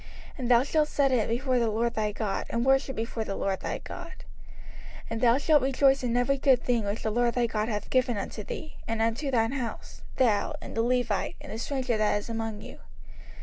And thou shalt set it before the LORD thy God, and worship before the LORD thy God: 05:026:011 And thou shalt rejoice in every good thing which the LORD thy God hath given unto thee, and unto thine house, thou, and the Levite, and the stranger that is among you.